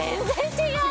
違う？